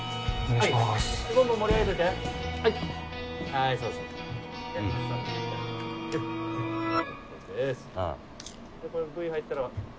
はいこれＶ入ったら。